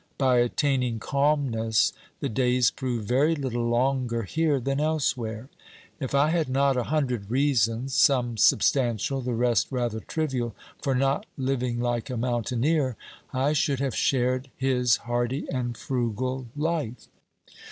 By attaining calmness the days prove very little longer here than elsewhere. If I had not a hundred reasons, some substantial, the rest rather trivial, for not living like a mountaineer, I should have shaied his hardy and frugal life.